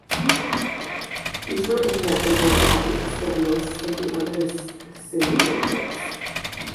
These were aimed at an older audience than most of the other syndicate books.